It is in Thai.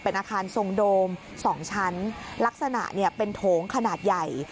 เป็นอาคารทรงโดม๒ชั้นลักษณะเนี่ยเป็นโถงขนาดใหญ่